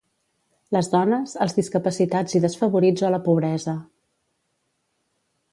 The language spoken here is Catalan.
Les dones, els discapacitats i desfavorits o la pobresa.